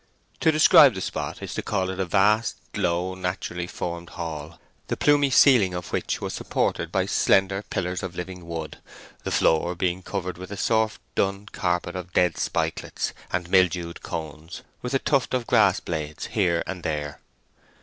To describe the spot is to call it a vast, low, naturally formed hall, the plumy ceiling of which was supported by slender pillars of living wood, the floor being covered with a soft dun carpet of dead spikelets and mildewed cones, with a tuft of grass blades here and there.